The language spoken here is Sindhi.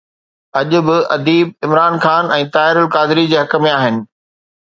اڄ به اديب عمران خان ۽ طاهر القادري جي حق ۾ آهن.